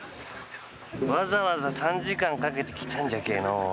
わざわざ３時間かけて来たんじゃけえのう。